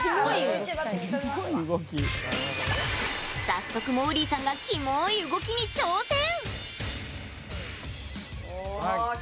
早速、もーりーさんがキモい動きに挑戦。